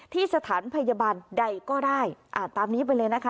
ที่สถานพยาบาลใดก็ได้อ่านตามนี้ไปเลยนะคะ